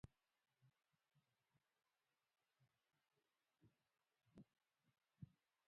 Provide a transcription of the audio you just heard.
ازادي راډیو د د جګړې راپورونه په اړه د پېښو رپوټونه ورکړي.